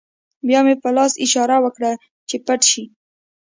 بیا مې په لاس اشاره وکړه چې پټ شئ